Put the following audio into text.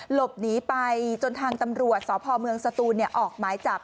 หลบหนีไปจนทางตำรวจสพเมืองสตูนออกหมายจับ